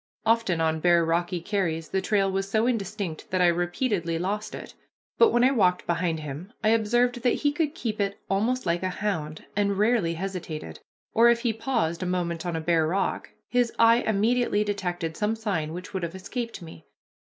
Often on bare rocky carries the trail was so indistinct that I repeatedly lost it, but when I walked behind him I observed that he could keep it almost like a hound, and rarely hesitated, or, if he paused a moment on a bare rock, his eye immediately detected some sign which would have escaped me.